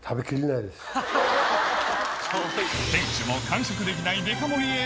店主も完食できないすごいな。